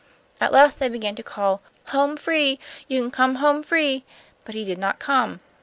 At last they began to call, 'Home free! You can come home free!' but he did not come.